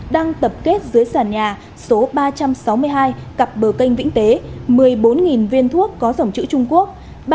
đang tập kết dưới sàn nhà số ba trăm sáu mươi hai cặp bờ canh vĩnh tế một mươi bốn viên thuốc có dòng chữ trung quốc